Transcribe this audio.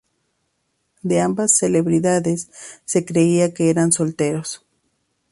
De ambas celebridades se creía que eran solteros.